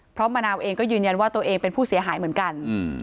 เพราะมะนาวเองก็ยืนยันว่าตัวเองเป็นผู้เสียหายเหมือนกัน